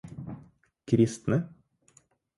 kristne